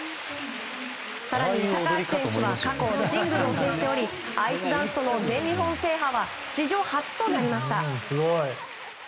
更に、高橋選手は過去シングルを制しておりアイスダンスとの全日本制覇は史上初となりました。